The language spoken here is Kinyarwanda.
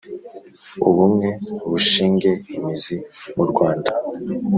Ubumwe bushinge imizi mu Rwanda.